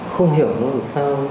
không hiểu nó làm sao